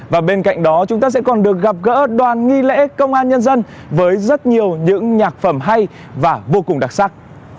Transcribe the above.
và bên cạnh đó chúng ta sẽ còn được gặp gỡ đoàn nghi lễ công an nhân dân với rất nhiều những nhạc phẩm hay và vô cùng đặc sắc